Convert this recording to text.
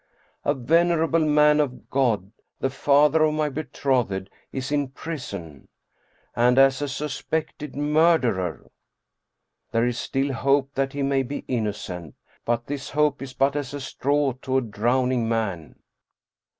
A venerable man of God the father of my betrothed is in prison! And as a suspected murderer! There is still hope that he may be innocent. But this hope is but as a straw to a drowning man.